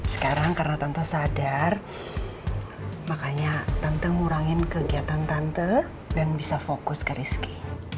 sekarang karena tante sadar makanya tante ngurangin kegiatan tante dan bisa fokus ke rizki